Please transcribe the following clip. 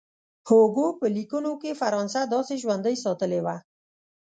هوګو په لیکونو کې فرانسه داسې ژوندۍ ساتلې وه.